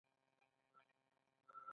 دوی د اوبو رسونې سیسټمونه ډیزاین کوي.